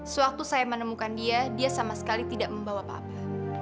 sewaktu saya menemukan dia dia sama sekali tidak membawa apa apa